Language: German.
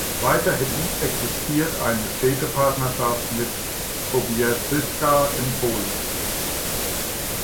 Weiterhin existiert eine Städtepartnerschaft mit Pobiedziska in Polen.